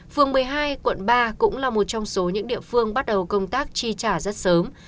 phường một mươi hai quận ba cũng là một trong số những địa phương bắt đầu công tác chi trả rất sớm